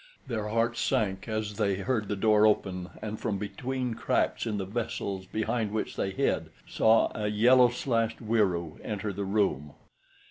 Their hearts sank as they heard the door open and from between cracks in the vessels behind which they hid saw a yellow slashed Wieroo enter the room.